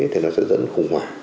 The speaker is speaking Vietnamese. thì nó sẽ dẫn khủng hoảng